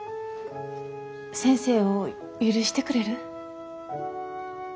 先生を許してくれる？